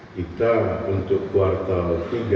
kita untuk kuartal tiga